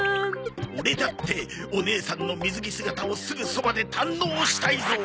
オレだってお姉さんの水着姿をすぐそばで堪能したいぞー！